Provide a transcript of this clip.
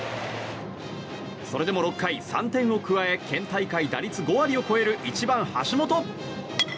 それでも６回、３点を加え県大会打率５割を超える１番、橋本。